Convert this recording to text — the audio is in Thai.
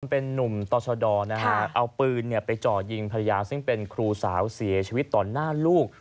เป็นนุ่มต่อชดนะฮะเอาปืนไปจ่อยิงภรรยาซึ่งเป็นครูสาวเสียชีวิตต่อหน้าลูก